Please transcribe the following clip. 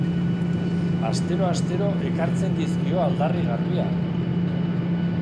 Astero-astero ekartzen dizkio aldagarri garbiak!